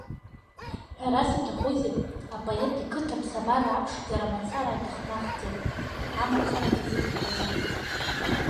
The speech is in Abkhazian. Ҳәарас иаҭахузеи, апоет иқыҭа аԥсабара аԥшӡара мацара дыхнахӡом, амацара дазышәаҳәаӡом.